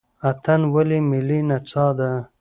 اتن ولې ملي نڅا ده؟